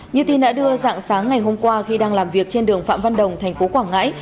như tin đã đưa dạng sáng ngày hôm qua khi đang làm việc trên đường phạm văn đồng thành phố quảng ngãi